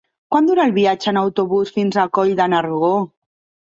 Quant dura el viatge en autobús fins a Coll de Nargó?